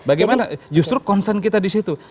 bagaimana justru concern kita di situ